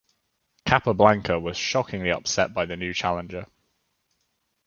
Capablanca was shockingly upset by the new challenger.